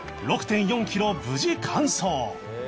６．４ キロを無事完走